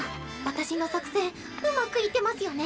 私の作戦うまくいってますよね？